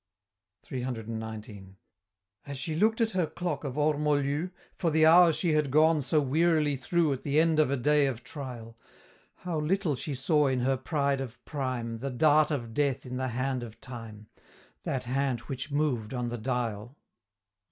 CCCXIX. As she look'd at her clock of or molu, For the hours she had gone so wearily through At the end of a day of trial How little she saw in her pride of prime The dart of Death in the Hand of Time That hand which moved on the dial!